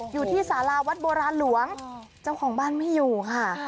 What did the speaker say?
อยู่ที่สาราวัดโบราณหลวงเจ้าของบ้านไม่อยู่ค่ะ